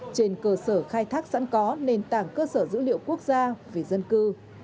trên cơ sở khai thác sẵn có nền tảng cơ sở dữ liệu quốc gia về dân cư